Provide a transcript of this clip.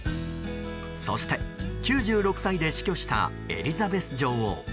そして、９６歳で死去したエリザベス女王。